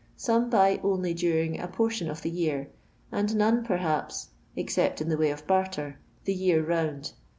Some buy only during a portion of the year, and none perhaps (except in the way of barter) the year round.